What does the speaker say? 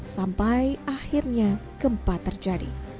sampai akhirnya gempa terjadi